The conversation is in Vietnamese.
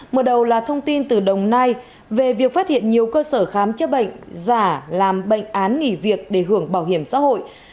mở đầu là thông tin từ đồng nai về việc phát hiện nhiều cơ sở khám chữa bệnh giả làm bệnh án nghỉ việc để hưởng bảo hiểm xã hội